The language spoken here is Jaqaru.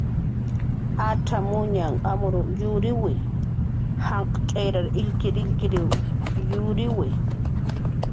Acxamuñanh amruw yuriwi, janq' tz'irar illkirillkiriw yuriwi